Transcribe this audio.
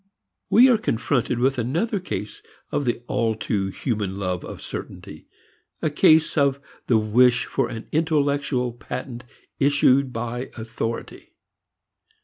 We are confronted with another case of the all too human love of certainty, a case of the wish for an intellectual patent issued by authority.